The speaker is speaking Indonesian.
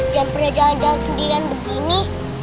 jangan pernah jalan jalan sendirian begini